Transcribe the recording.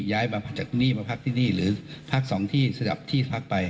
ย้ายมาจากที่นี่มาพักที่นี่หรือพักสองที่สนับที่พักไป